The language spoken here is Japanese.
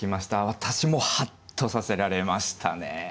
私もハッとさせられましたね。